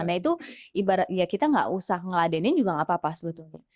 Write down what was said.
nah itu ibarat ya kita gak usah ngeladenin juga gak apa apa sebetulnya